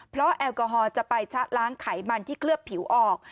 เพราะแอลกอฮอล์จะไปชะล้างไขมันที่เคลือบผิวออก